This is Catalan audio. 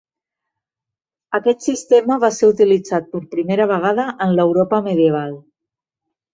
Aquest sistema va ser utilitzat per primera vegada en l'Europa medieval.